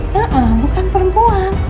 ya bukan perempuan